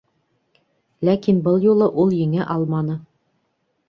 Ләкин был юлы ул еңә алманы.